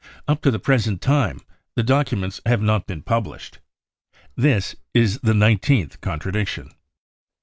Up to the present time the documents have not been published. This is the nineteenth contradiction.